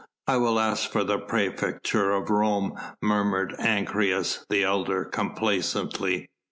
"I will ask for the praefecture of Rome," murmured Ancyrus, the elder, complacently.